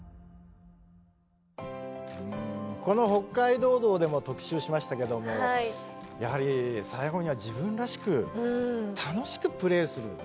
この「北海道道」でも特集しましたけどもやはり最後には自分らしく楽しくプレーする。